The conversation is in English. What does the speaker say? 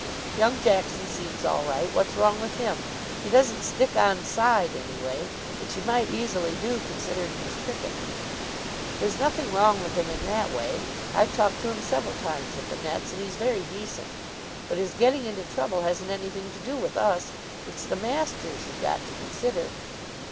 "Young Jackson seems all right. What's wrong with him? He doesn't stick on side any way, which he might easily do, considering his cricket." "There's nothing wrong with him in that way. I've talked to him several times at the nets, and he's very decent. But his getting into trouble hasn't anything to do with us. It's the masters you've got to consider."